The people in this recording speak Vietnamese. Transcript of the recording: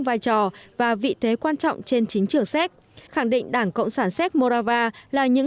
vai trò và vị thế quan trọng trên chính trường séc khẳng định đảng cộng sản séc morava là những